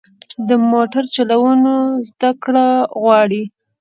د موټر چلوونه زده کړه غواړي.